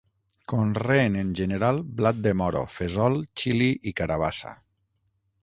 Conreen en general, blat de moro, fesol, xili i carabassa.